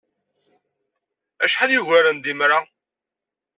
Acḥal yugaren d imra!